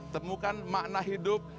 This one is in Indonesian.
temukan makna hidup